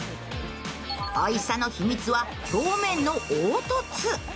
おいしさの秘密は表面の凹凸。